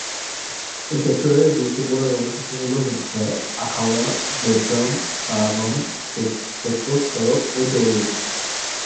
এ সেক্টরের গুরুত্বপূর্ণ রণক্ষেত্রগুলো হচ্ছে আখাউড়া, দেবগ্রাম, তারাগণ, চেকপোস্ট সড়ক ও দরুইন।